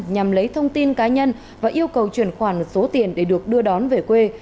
nhằm lấy thông tin cá nhân và yêu cầu chuyển khoản số tiền để được đưa đón về quê